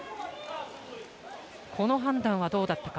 この判断はどうだったか。